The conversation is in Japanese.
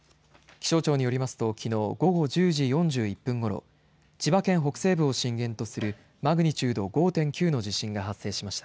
気象庁によりますときのう午後１０時４１分ごろ千葉県北西部を震源とするマグニチュード５．９の地震が発生しました。